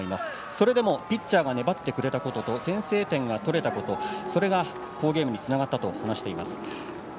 それでもピッチャーが粘ってくれたことと先制点が取れたことそれが好ゲームにつながったと話しています。